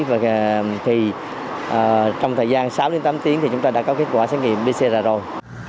và trong thời gian sáu tám tiếng thì chúng ta đã có kết quả xét nghiệm pcr ra rồi